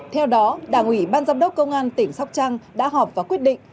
theo đó đảng ủy ban giám đốc công an tỉnh sóc trăng đã họp và quyết định